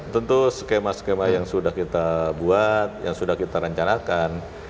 tentu skema skema yang sudah kita buat yang sudah kita rencanakan